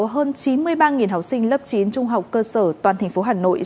hơn chín mươi ba học sinh lớp chín trung học cơ sở toàn thành phố hà nội